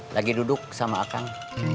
lagi duduk sama akang